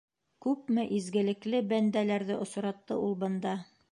Күпме изгелекле бәндәләрҙе осратты ул бында!